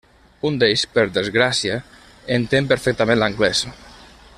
Un d'ells, per desgràcia, entén perfectament l'anglès.